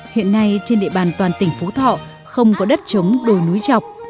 hiện nay trên địa bàn toàn tỉnh phú thọ không có đất chống đồi núi chọc